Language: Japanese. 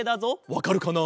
わかるかな？